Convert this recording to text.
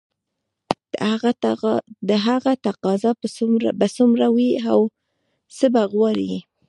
د هغه تقاضا به څومره وي او څه به غواړي